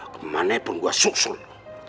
kemana pun gue susul loh